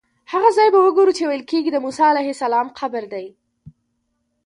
هغه ځای به وګورو چې ویل کېږي د موسی علیه السلام قبر دی.